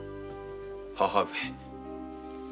母上。